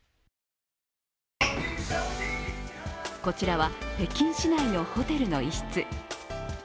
こちらは北京市内のホテルの一室。